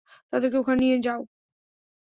তাদেরকে ওখানে নিয়ে যাও।